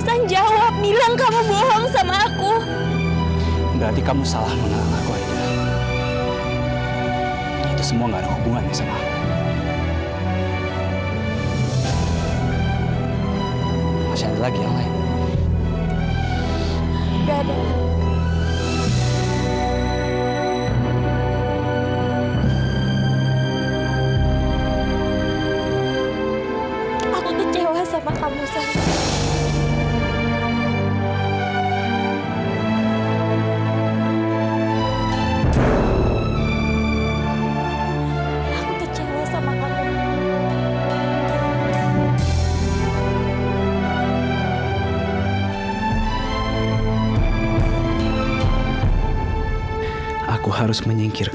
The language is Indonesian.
saya tidak melakukan tablak lari pak